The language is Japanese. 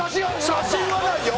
写真はないよ！